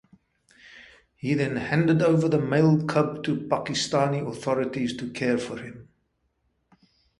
He then handed over the male cub to Pakistani authorities to care for him.